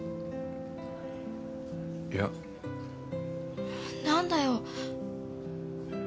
いや。何だよ？